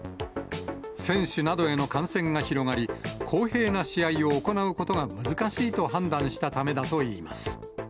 選手などへの感染が広がり、公平な試合を行うことが難しいと判断したためだといいます。